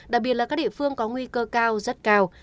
đặc biệt là các địa phương có nguy cơ cao rất cao